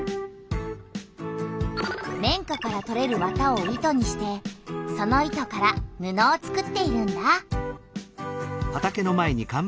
綿花からとれる綿を糸にしてその糸から布をつくっているんだ。